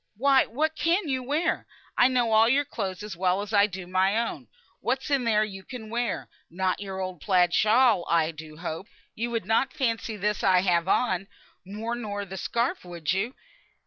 "Why, what can you wear? I know all your clothes as well as I do my own, and what is there you can wear? Not your old plaid shawl, I do hope? You would not fancy this I have on, more nor the scarf, would you?"